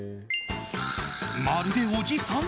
まるでおじさん？